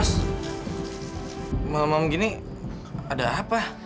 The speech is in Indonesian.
sos malam malam gini ada apa